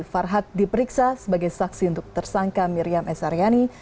farhad diperiksa sebagai saksi untuk tersangka miriam s haryani